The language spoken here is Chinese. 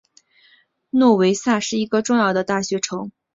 诺维萨是一个重要的大学城。